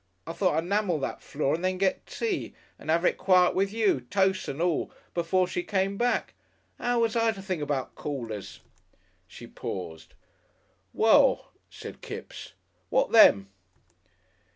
I thought I'd 'namel that floor and then get tea and 'ave it quiet with you, toce and all, before she came back. 'Ow was I to think about Callers?" She paused. "Well," said Kipps, "what them?"